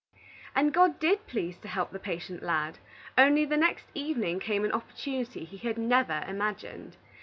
And God did please to help the patient lad; only the next evening came an opportunity he had never imagined.